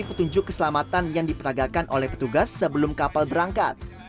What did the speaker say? petunjuk keselamatan yang diperagakan oleh petugas sebelum kapal berangkat